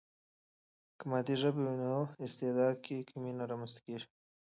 که مادي ژبه وي، نو استعداد کې کمی نه رامنځته کیږي.